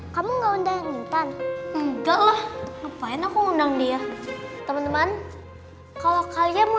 kamu nggak undang undang enggak lupain aku undang dia teman teman kalau kalian mau